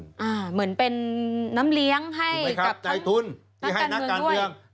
อ่าเหมือนเป็นน้ำเลี้ยงให้กับนักการเมืองด้วย